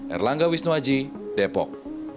erlangga wisnuaji depok